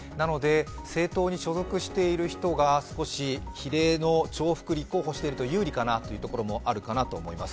政党に所属している人が少し比例の重複立候補していると有利かなというところもあるかなと思います。